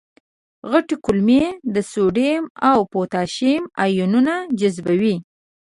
غټې کولمې د سودیم او پتاشیم آیونونه جذبوي.